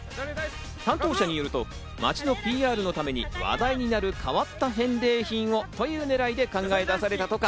担当者によると、町のＰＲのために話題になる変わった返礼品をという狙いで考え出されたとか。